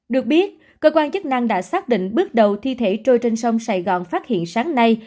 được biết cơ quan chức năng đã xác định bước đầu thi thể trôi trên sông sài gòn phát hiện sáng nay